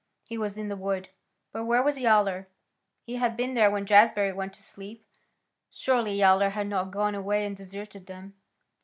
He was in the wood. But where was Yowler? He had been there when Jazbury went to sleep. Surely Yowler had not gone away and deserted them.